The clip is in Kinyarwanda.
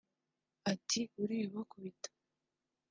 Ati “Uriya ubakubita